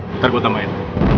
ntar gue tambahin